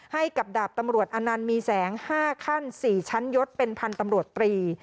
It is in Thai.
ให้กับดาบตำรวจอนันต์มีแสง๕ขั้น๔ชั้นยศเป็นพันธ์ตำรวจตรี